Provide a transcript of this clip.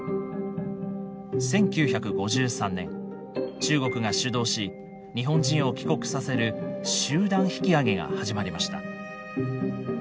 １９５３年中国が主導し日本人を帰国させる集団引き揚げが始まりました。